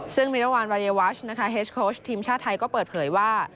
ซึ่งเมียวานวาเดวาชเทมชาติไทยก็เปิดเผยว่า